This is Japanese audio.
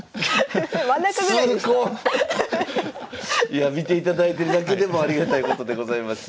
いやあ見ていただいてるだけでもありがたいことでございます。